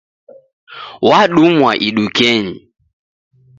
W'adumwa idukenyi.